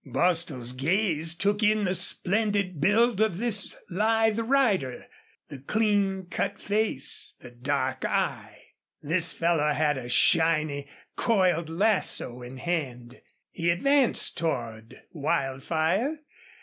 Bostil's gaze took in the splendid build of this lithe rider, the clean cut face, the dark eye. This fellow had a shiny, coiled lasso in hand. He advanced toward Wildfire.